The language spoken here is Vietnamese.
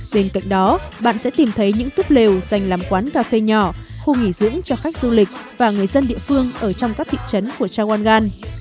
bên cạnh đó bạn sẽ tìm thấy những túp lều dành làm quán cà phê nhỏ khu nghỉ dưỡng cho khách du lịch và người dân địa phương ở trong các thị trấn của chawangan